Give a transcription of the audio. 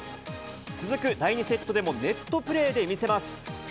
続く第２セットでもネットプレーで見せます。